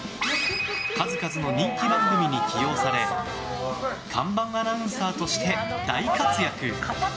数々の人気番組に起用され看板アナウンサーとして大活躍！